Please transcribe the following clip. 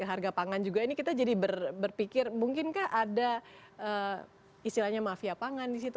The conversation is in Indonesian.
harga pangan juga ini kita jadi berpikir mungkin kah ada istilahnya mafia pangan disitu